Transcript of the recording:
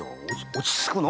落ち着くの！